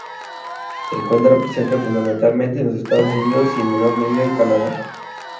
Se encuentra presente fundamentalmente en los Estados Unidos y, en menor medida, en Canadá.